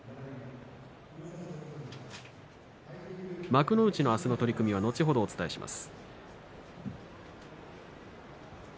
幕内の明日の取組は後ほどお伝えします。